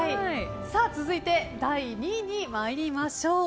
続いて、第２位に参りましょう。